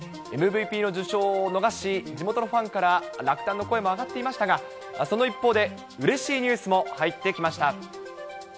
ＭＶＰの受賞を逃し、地元のファンから落胆の声も上がっていましたが、その一方で、うれしいニュースも入ってきました。